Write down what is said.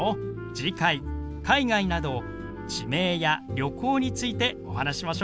次回「海外」など地名や旅行についてお話ししましょう。